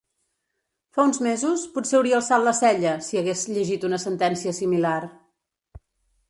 Fa uns mesos, potser hauria alçat la cella, si hagués llegit una sentència similar.